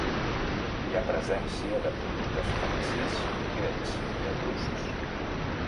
Hi ha presència de productes fenicis, grecs i etruscs.